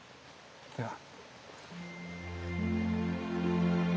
では。